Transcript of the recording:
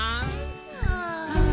はあ。